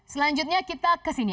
selanjutnya kita ke sini